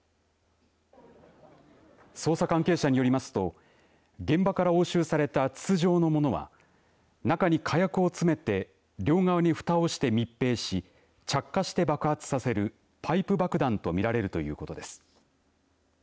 捜査関係者によりますと現場から押収された筒状のものは中に火薬を詰めて両側にふたをして密閉し着火して爆発させるパイプ爆弾と見られるということです。